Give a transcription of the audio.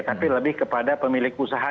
tapi lebih kepada pemilik usaha